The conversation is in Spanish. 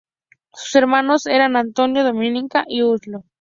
Sus hermanos eran Antonio, Domenica y Muzio.